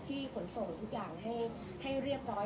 ขนส่งทุกอย่างให้เรียบร้อย